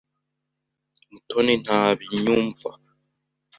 Mutoni ntanyumva.